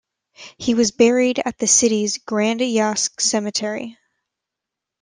He was buried at the city's Grand Jas Cemetery.